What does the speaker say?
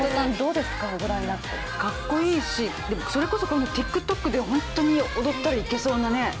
かっこいいし、それこそＴｉｋＴｏｋで踊ったりいけそうなね。